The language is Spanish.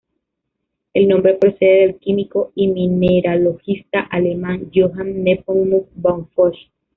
El nombre procede del químico y mineralogista alemán Johann Nepomuk von Fuchs.